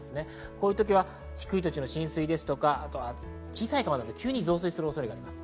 こういうときは低い土地の浸水ですとか、小さい川など、急に増水する恐れがあります。